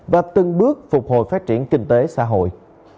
và từng bước phục hồi phát triển kinh tế xã hội